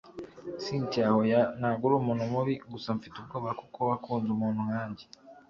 cyntia hoya, ntago urumuntu mubi, gusa mfite ubwoba kuko wakunze umuntu nkanjye